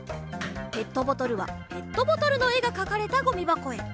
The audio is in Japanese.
ペットボトルはペットボトルのえがかかれたごみばこへ。